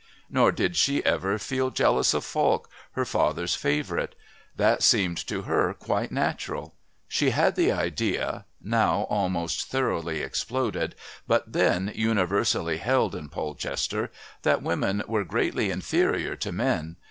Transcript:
Nor did she ever feel jealous of Falk, her father's favourite. That seemed to her quite natural. She had the idea, now most thoroughly exploded but then universally held in Polchester, that women were greatly inferior to men.